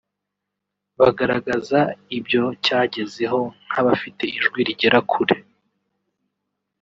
bagaragaza ibyo cyagezeho nk’abafite ijwi rigera kure